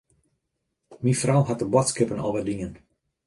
Myn frou hat de boadskippen al wer dien.